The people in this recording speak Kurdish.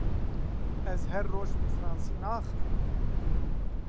Ez her roj bi fransî naaxivim.